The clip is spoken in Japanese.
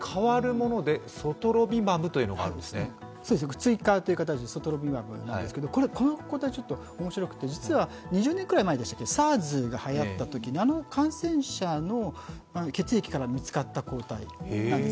追加という形でソトロビマブなんですけどこの抗体面白くて、実は２０年くらい前、ＳＡＲＳがはやったときにあの感染者の血液から見つかった抗体なんです。